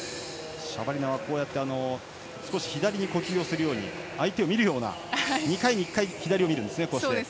シャバリナは少し左に呼吸をするように相手を見るような２回に１回左を見るんですね。